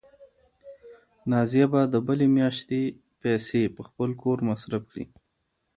نازیه به د بلې میاشتې پیسې په خپل کور مصرف کړي.